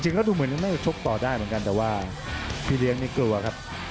ดูแล้วดูเหมือนยังไม่ชกต่อได้เหมือนกันแต่ว่าพี่เลี้ยงนี่กลัวครับ